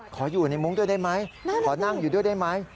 ขออยู่ในมุ้งด้วยได้ไหมขอนั่งอยู่ด้วยได้ไหม